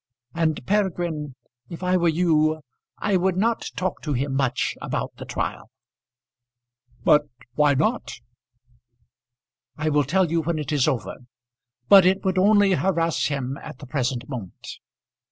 And, Peregrine, if I were you I would not talk to him much about the trial." "But why not?" "I will tell you when it is over. But it would only harass him at the present moment."